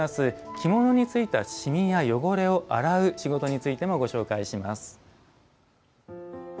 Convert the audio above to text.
着物についた染みや汚れを洗う仕事についてもご紹介します。